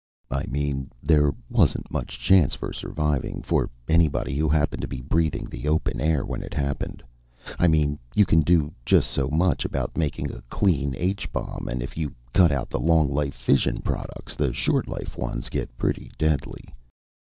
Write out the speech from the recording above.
I mean there wasn't much chance for surviving, for anybody who happened to be breathing the open air when it happened. I mean you can do just so much about making a "clean" H bomb, and if you cut out the long life fission products, the short life ones get pretty deadly.